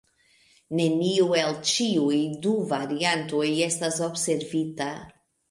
Neniu el ĉiuj du variantoj estas observita.